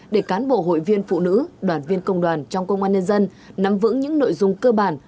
để cán bộ hội viên phụ nữ đoàn viên công đoàn trong công an nhân dân nắm vững những nội dung cơ bản